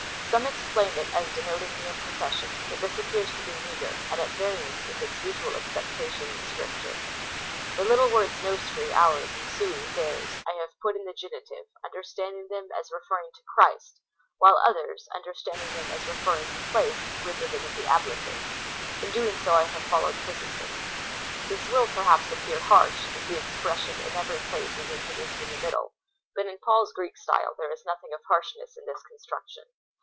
Some explain it as denoting mere profession, but this appears to be meagre, and at variance with its usual acceptation in Scripture. The little words nostri (ours) and sui (theirs) I have put in the genitive, understanding them as referring to Christ, ' Synecdoche, a figure of speech, by which part is taken for the whole. — Ed. 54 , COMMENTABY ON THE CHAP. I. 3. while others, understanding them as referring to place, ren der them in the ablative. In doing so I have followed Chrjsostom. This will, perhaps, appear harsh, as the ex pression in every place is introduced in the middle, but in Paul's Greek style there is nothing of harshness in this con struction.